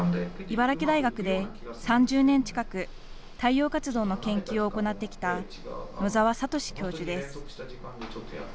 茨城大学で３０年近く太陽活動の研究を行ってきた野澤恵教授です。